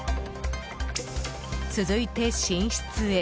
続いて、寝室へ。